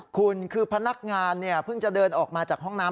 คุณคือพนักงานเนี่ยเพิ่งจะเดินออกมาจากห้องน้ำ